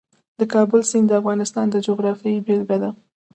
د کابل سیند د افغانستان د جغرافیې بېلګه ده.